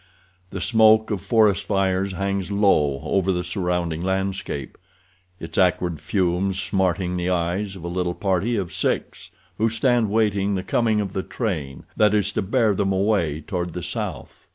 The smoke of forest fires hangs low over the surrounding landscape, its acrid fumes smarting the eyes of a little party of six who stand waiting the coming of the train that is to bear them away toward the south.